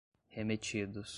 remetidos